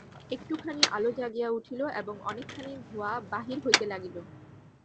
একটুখানি আলো জাগিয়া উঠিল এবং অনেকখানি ধোঁয়া বাহির হইতে লাগিল।